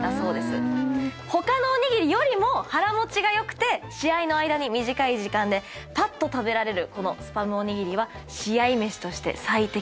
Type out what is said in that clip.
他のおにぎりよりも腹持ちがよくて試合の間に短い時間でぱっと食べられるこのスパムおにぎりは試合飯として最適だそうです。